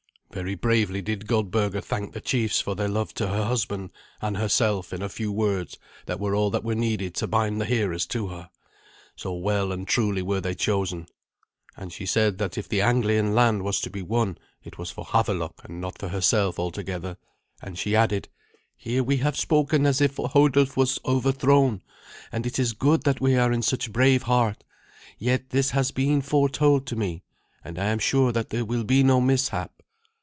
Very bravely did Goldberga thank the chiefs for their love to her husband and herself in a few words that were all that were needed to bind the hearers to her, so well and truly were they chosen. And she said that if the Anglian land was to be won it was for Havelok and not for herself altogether, and she added, "Here we have spoken as if already Hodulf was overthrown, and it is good that we are in such brave heart. Yet this has been foretold to me, and I am sure that there will be no mishap."